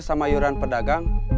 sama yuran pedagang